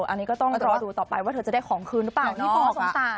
อันนี้ก็ต้องรอดูต่อไปว่าเธอจะได้ของคืนหรือเปล่านี่พ่อสงสาร